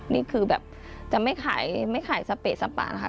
นี่คือแบบจะไม่ขายสะเปดสะปานค่ะ